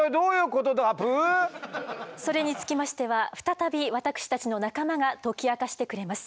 それにつきましては再び私たちの仲間が解き明かしてくれます。